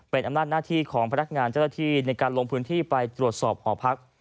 เป็นอำนาจหน้าที่ของพนักงานเจ้าหน้าที่ในการลงพื้นที่ไปตรวจสอบหอพัก